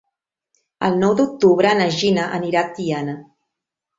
El nou d'octubre na Gina anirà a Tiana.